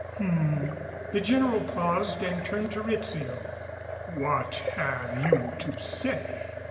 "H m." The General paused and turned to Rizzio. "What have you to say?"